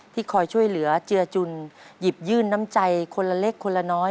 คอยช่วยเหลือเจือจุนหยิบยื่นน้ำใจคนละเล็กคนละน้อย